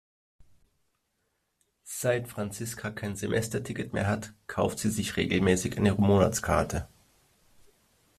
Seit Franziska kein Semesterticket mehr hat, kauft sie sich regelmäßig eine Monatskarte.